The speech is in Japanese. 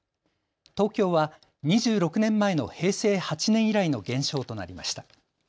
東京は２６年前の平成８年以来の減少となりました。